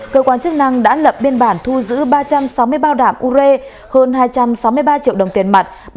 cơ quan chức năng đã lập biên bản thu giữ ba trăm sáu mươi bao đạm ure hơn hai trăm sáu mươi ba triệu đồng tiền mặt